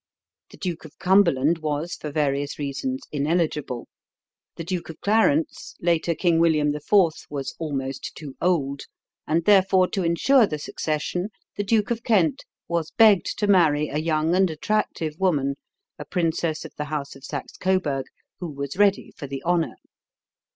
The Duke of Cumberland was for various reasons ineligible; the Duke of Clarence, later King William IV., was almost too old; and therefore, to insure the succession, the Duke of Kent was begged to marry a young and attractive woman, a princess of the house of Saxe Coburg, who was ready for the honor.